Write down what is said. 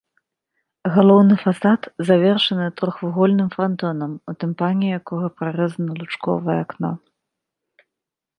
Галоўны фасад завершаны трохвугольным франтонам, у тымпане якога прарэзана лучковае акно.